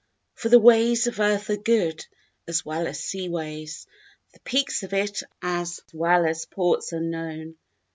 _ _For the ways of earth are good, as well as sea ways, The peaks of it as well as ports unknown.